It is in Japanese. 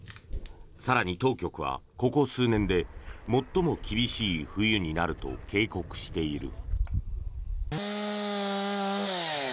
更に当局はここ数年で最も厳しい冬になると警告している。